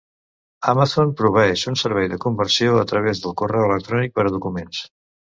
Amazon proveeix un servei de conversió a través del correu electrònic per a documents.